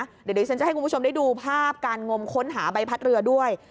เดี๋ยวฉันจะให้คุณผู้ชมได้ดูภาพการงมค้นหาใบพัดเรือด้วย